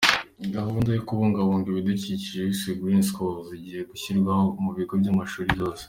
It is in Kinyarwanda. Gahunda yo kubungabunga ibidukikije yiswe "Green Schools" igiye gushyirwa mu bigo by’amashuri byose.